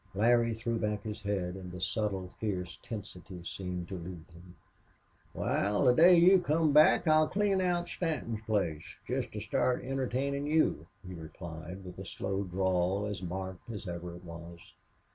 Larry threw back his head, and the subtle, fierce tensity seemed to leave him. "Wal, the day you come back I'll clean out Stanton's place jest to start entertainin' you," he replied, with his slow drawl as marked as ever it was.